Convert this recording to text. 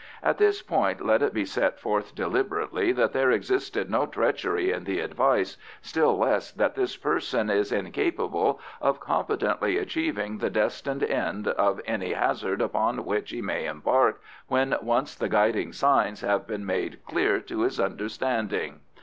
At this point let it be set forth deliberately that there existed no treachery in the advice, still less that this person is incapable of competently achieving the destined end of any hazard upon which he may embark when once the guiding signs have been made clear to his understanding.